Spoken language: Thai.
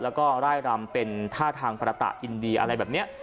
แล้วก็ร่ายรำเป็นท่าทางประตะอินดีอะไรแบบนี้